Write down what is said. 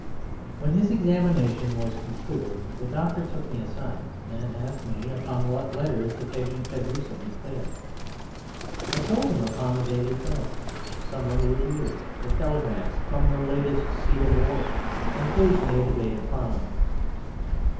When his examination was concluded the doctor took me aside and asked me upon what letters the patient had recently fed. I told him upon the daily Press, some of the reviews, the telegrams from the latest seat of war, and occasionally a debate in Parliament.